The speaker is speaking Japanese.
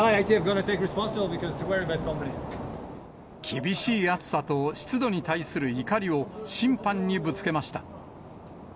厳しい暑さと湿度に対する怒りを審判にぶつけました。